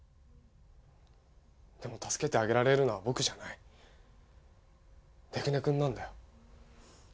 でも助けてあげられるのは僕じゃない出久根君なんだよ